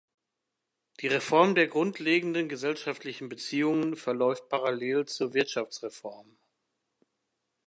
Die Reform der grundlegenden gesellschaftlichen Beziehungen verläuft parallel zur Wirtschaftreform.